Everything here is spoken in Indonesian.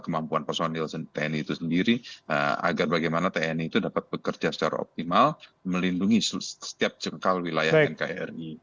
kemampuan personil tni itu sendiri agar bagaimana tni itu dapat bekerja secara optimal melindungi setiap jengkal wilayah nkri